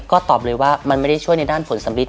ก็ตอบเลยว่ามันไม่ได้ช่วยในด้านผลสำริด